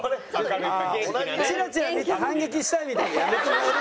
チラチラ見て反撃したいみたいなやめてもらえる？